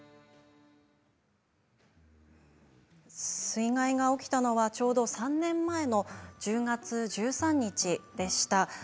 水害が起きたのはちょうど３年前の１０月１３日でした。